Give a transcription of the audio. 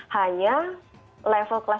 hanya level kelas sembilan dan kelas delapan